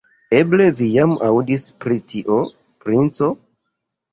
Eble vi jam aŭdis pri tio, princo?